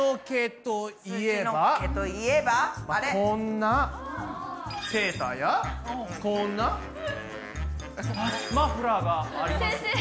こんなセーターやこんなマフラーがありますね。